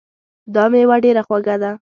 دا میوه ډېره خوږه ده